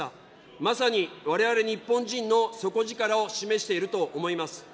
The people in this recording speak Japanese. まさにわれわれ日本人の底力を示していると思います。